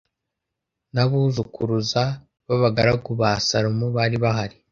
n’abuzukuruza babagaragu ba salomo bari bahari